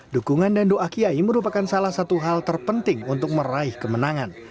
dukungan dan doa kiai merupakan salah satu hal terpenting untuk meraih kemenangan